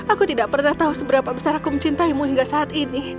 aku tidak pernah tahu seberapa besar aku mencintaimu hingga saat ini